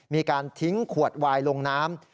มีการทิ้งขวดวายลงน้ำ